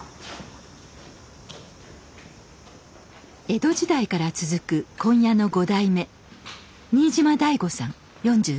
江戸時代から続く紺屋の５代目新島大吾さん４５歳です。